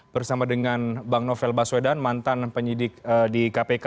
bersama dengan bang novel baswedan mantan penyidik di kpk